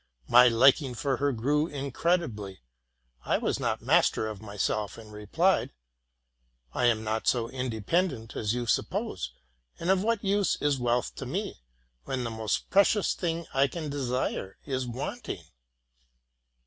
My liking for her grew incredibly. I was not master of myself, and replied, '' I am not so independent as you sup pose; and of what use is wealth to me, when the most pre cious thing I can desire is wanting?